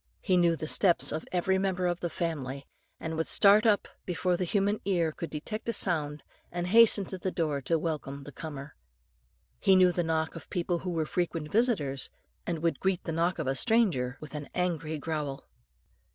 He knew the footsteps of every member of the family, and would start up, before the human ear could detect a sound, and hasten to the door to welcome the comer. He knew the knock of people who were frequent visitors, and would greet the knock of a stranger with an angry growl.